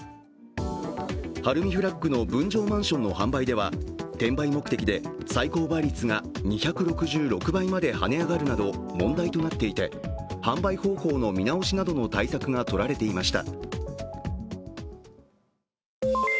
ＨＡＲＵＭＩＦＬＡＧの分譲マンションの販売では転売目的で最高倍率が２６６倍まで跳ね上がるなど問題となっていて、販売方法の見直しなどの対策がとられていました。